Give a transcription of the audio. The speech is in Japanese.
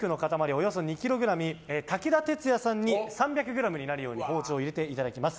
およそ２ｋｇに武田鉄矢さんに３００ｇになるように包丁を入れていただきます。